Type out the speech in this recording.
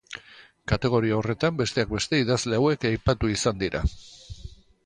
Kategoria horretan, besteak beste, idazle hauek aipatu izan dira.